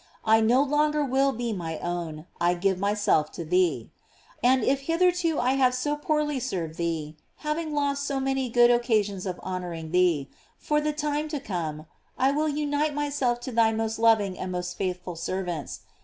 I no longer will be my own, I give myself to thee. And if hitherto I have so poorly served thee, having lost so many good occasions of honoring thee, for the time to come I will unite myself to thy most loving and most faithful servants.